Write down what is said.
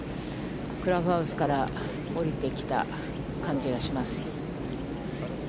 クラブハウスから下りてきた感じがします。